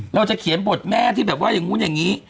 เราจะเขียนบทแม่ที่แบบว่าอย่างนู้นอย่างนี้